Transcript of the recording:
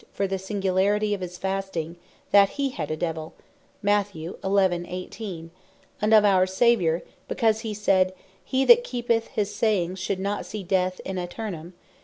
for the singularity of his fasting, that he had a Devill; and of our Saviour, because he said, hee that keepeth his sayings should not see Death In Aeternum, (John 8.